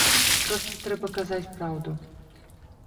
Проста трэба казаць праўду.